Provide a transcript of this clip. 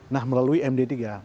nah melalui md tiga